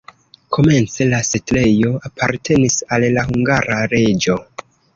Komence la setlejo apartenis al la hungara reĝo.